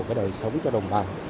cái đời sống cho đồng bào